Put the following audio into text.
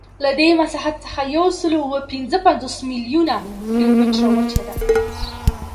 له دې مساحت څخه یوسلاوهپینځهپنځوس میلیونه کیلومتره وچه ده.